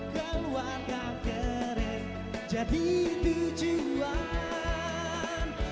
keluarga keren jadi tujuan